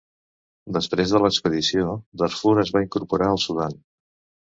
Després de l'expedició, Darfur es va incorporar al Sudan.